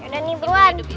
dan ini beruang